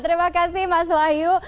terima kasih mas wahyu